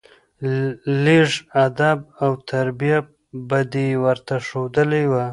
لېږ ادب او تربيه به دې ورته ښودلى وه.